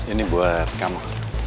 ini buat kamu